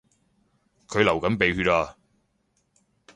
佢流緊鼻血呀